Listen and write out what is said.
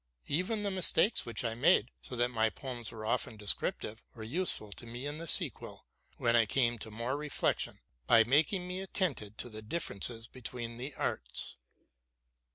Even the mistakes which I made, so that my poems were often descriptive, were useful to me in the sequel, when I came to more reflection, by making me attentive to the dif ferences between the arts.